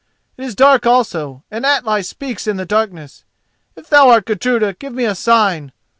It is dark also and Atli speaks in the darkness. If thou art Gudruda, give me a sign.